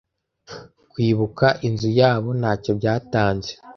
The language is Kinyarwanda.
kwibuka inzu yabo ntacyo byatanze